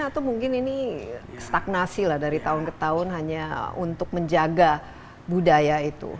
atau mungkin ini stagnasi lah dari tahun ke tahun hanya untuk menjaga budaya itu